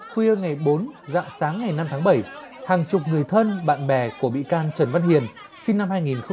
khuya ngày bốn dạng sáng ngày năm tháng bảy hàng chục người thân bạn bè của bị can trần văn hiền sinh năm hai nghìn hai